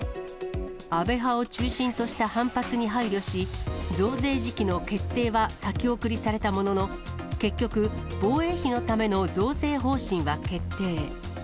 安倍派を中心とした反発に配慮し、増税時期の決定は先送りされたものの、結局、防衛費のための増税方針は決定。